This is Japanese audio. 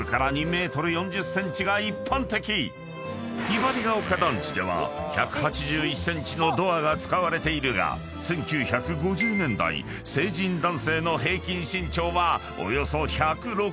［ひばりが丘団地では１８１ｃｍのドアが使われているが１９５０年代成人男性の平均身長はおよそ１６０ｃｍ］